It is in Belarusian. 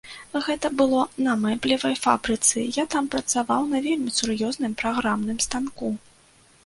Гэта было на мэблевай фабрыцы, я там працаваў на вельмі сур'ёзным праграмным станку.